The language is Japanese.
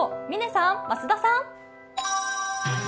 嶺さん、増田さん。